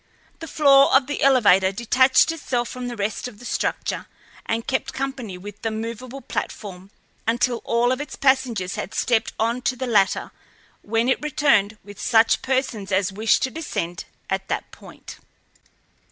The floor of the elevator detached itself from the rest of the structure and kept company with the movable platform until all of its passengers had stepped on to the latter, when it returned with such persons as wished to descend at that point.